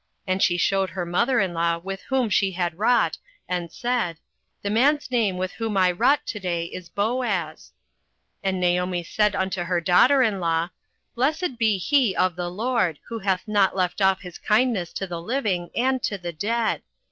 And she shewed her mother in law with whom she had wrought, and said, The man's name with whom I wrought to day is Boaz. 08:002:020 And Naomi said unto her daughter in law, Blessed be he of the LORD, who hath not left off his kindness to the living and to the dead.